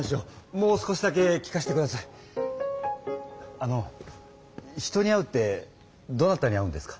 あの人に会うってどなたに会うんですか？